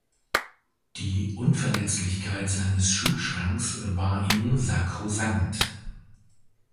Die Unverletzlichkeit seines Schuhschranks war ihm sankrosankt.